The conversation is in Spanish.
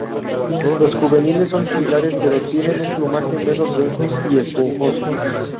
Los juveniles son similares pero tienen un plumaje menos denso y esponjoso.